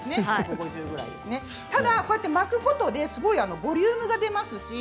ただ巻くことでボリュームが出ますし。